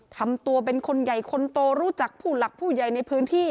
ทำตัวเป็นคนใหญ่คนโตรู้จักผู้หลักผู้ใหญ่ในพื้นที่